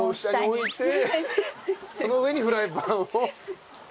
その上にフライパンを。